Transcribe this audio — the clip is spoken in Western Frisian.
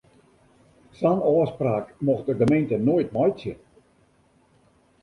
Sa'n ôfspraak mocht de gemeente noait meitsje.